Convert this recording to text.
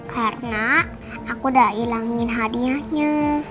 karena aku udah ilangin hadiahnya